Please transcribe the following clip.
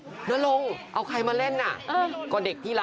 พีอีกแล้วเหรอแม่ประวัติศาสตร์เลยนะแกคุณผู้ชมนี่ตอนค่ำมืดเนี่ยค่ะ